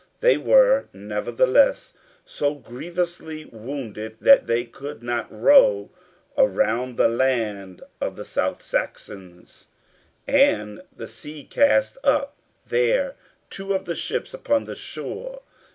They were, nevertheless, so grievously wounded that they could not row around the land of the South Saxons, and the sea cast up there two of the ships upon the shore.